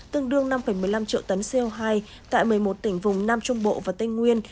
tương đương năm một mươi năm triệu tấn co hai tại một mươi một tỉnh vùng nam trung bộ và tây nguyên